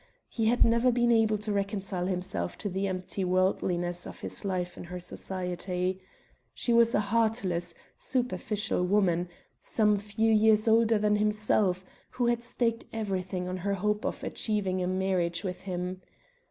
He had never been able to reconcile himself to the empty wordliness of his life in her society; she was a heartless, superficial woman, some few years older than himself, who had staked everything on her hope of achieving a marriage with him.